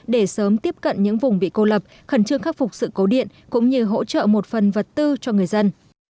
để sớm tiếp cận những vùng bị cô lập khẩn trương khắc phục sự cố điện cũng như hỗ trợ một phần vật tư cho người dân